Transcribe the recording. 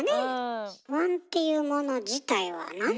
不安っていうもの自体はなに？